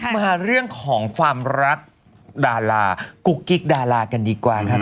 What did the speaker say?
มาเรื่องของความรักดารากุ๊กกิ๊กดารากันดีกว่านะครับ